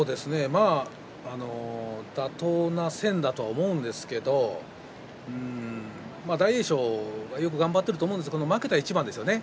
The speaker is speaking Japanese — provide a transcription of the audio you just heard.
妥当な線だと思うんですけれど大栄翔はよく頑張っていると思うんですけれども負けた一番ですよね。